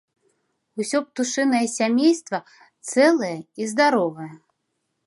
Усё птушынае сямейства цэлае і здаровае.